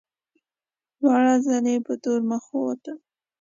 دواړه ځله په تور مخ ووتل.